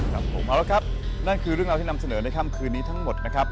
ครับผมเอาละครับนั่นคือเรื่องราวที่นำเสนอในค่ำคืนนี้ทั้งหมดนะครับ